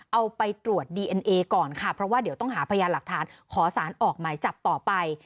เอาไปตรวจดีเอ็นเอก่อนค่ะเพราะว่าเดี๋ยวต้องหาพยานหลักฐานขอสารออกหมายจับต่อไป